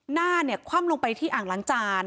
หน้าเนี่ยคว่ำลงไปที่อ่างล้างจาน